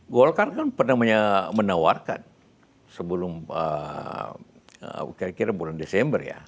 golkar kan pernah menawarkan sebelum kira kira bulan desember ya